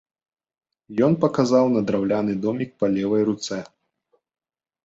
Ён паказаў на драўляны домік па левай руцэ.